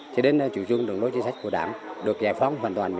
cho đến chủ trương đồng lối chính sách của đảng được giải phóng hoàn toàn một mươi năm